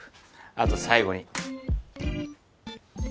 あと最後に。